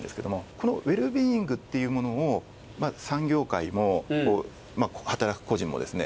このウェルビーイングっていうものを産業界もはたらく個人もですね